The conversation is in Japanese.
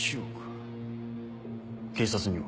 警察には？